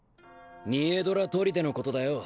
ニエドラ砦のことだよ